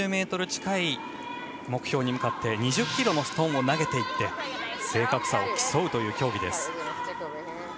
カーリングは４０ｍ近い目標に向かって２０ｋｇのストーンを投げて正確さを競うという競技です。